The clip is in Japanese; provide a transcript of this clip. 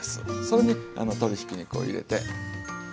それに鶏ひき肉を入れて炊きます。